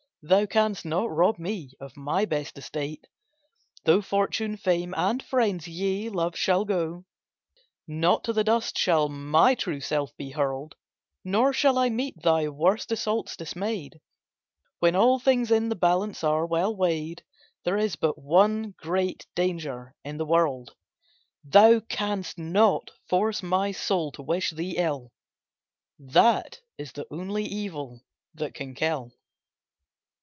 Thou canst not rob me of my best estate, Though fortune, fame, and friends, yea, love shall go. Not to the dust shall my true self be hurled, Nor shall I meet thy worst assaults dismayed; When all things in the balance are well weighed, There is but one great danger in the world— Thou canst not force my soul to wish thee ill, That is the only evil that can kill.